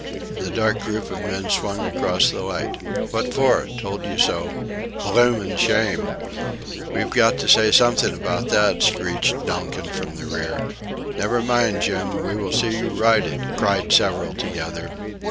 The dark group of men swung across the light. "What for?" "Told you so..." "Bloomin' shame..." "We've got to say somethink about that," screeched Donkin from the rear. "Never mind, Jim we will see you righted," cried several together.